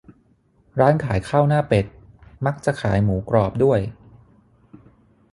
ร้านขายข้าวหน้าเป็ด มักจะขายหมูกรอบด้วย